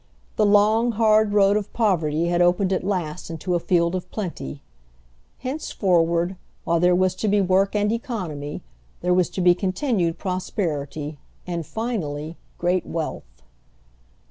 The long, hard road of poverty had opened at last into a field of plenty. Henceforward, while there was to be work and economy, there was to be continued prosperity, and finally, great wealth.